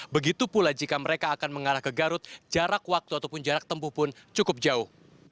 begitu pula jika mereka akan mengarah ke garut jarak waktu ataupun jarak tempuh pun cukup jauh